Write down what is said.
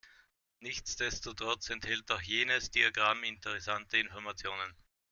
Nichtsdestotrotz enthält auch jenes Diagramm interessante Informationen.